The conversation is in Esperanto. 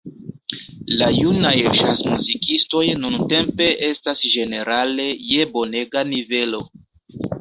La junaj ĵazmuzikistoj nuntempe estas ĝenerale je bonega nivelo.